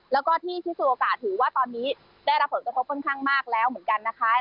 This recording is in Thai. แล้วก็ที่พิซซูโอกาศถือว่าตอนนี้ได้รับผลกระทบค่อนข้างมากแล้วเหมือนกันนะคะ